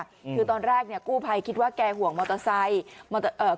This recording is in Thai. คือตอนแรกกู้ไพคิดว่าแกห่วงมอเตอร์ไซค์